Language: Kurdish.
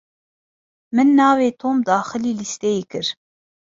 Min navê Tom daxilî lîsteyê kir.